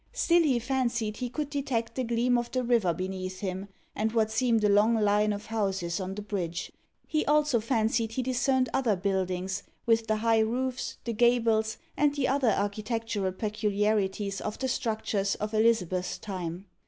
Still he fancied he could detect the gleam of the river beneath him, and what seemed a long line of houses on the bridge. He also fancied he discerned other buildings, with the high roofs, the gables, and the other architectural peculiarities of the structures of Elizabeth's time.